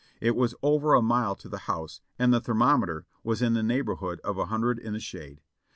It was over a mile to the house, and the thermometer was m the neighborhood of a hundred in the shade.